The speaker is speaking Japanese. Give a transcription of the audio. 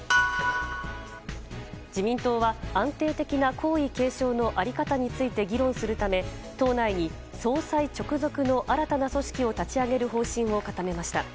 自民党は安定的な皇位継承の在り方について議論するため党内に総裁直属の新たな組織を立ち上げる方針を固めました。